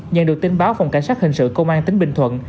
nhân được tính báo phòng cảnh sát hình sự công an tỉnh bình thuận